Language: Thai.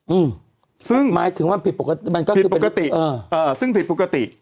อืมซึ่งหมายถึงว่าผิดปกติมันก็คือปกติเออเอ่อซึ่งผิดปกติ